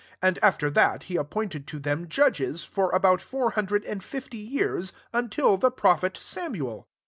20 And after that, he appointed ro them judges, for about four hun dred and fifty years, until the prophet Samuel.